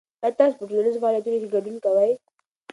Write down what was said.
آیا تاسو په ټولنیزو فعالیتونو کې ګډون کوئ؟